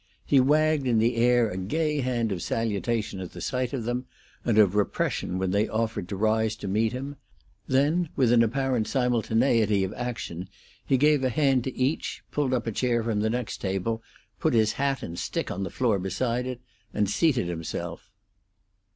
He wagged in the air a gay hand of salutation at sight of them, and of repression when they offered to rise to meet him; then, with an apparent simultaneity of action he gave a hand to each, pulled up a chair from the next table, put his hat and stick on the floor beside it, and seated himself.